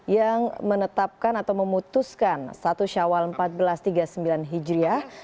yang menetapkan atau memutuskan satu syawal seribu empat ratus tiga puluh sembilan hijriah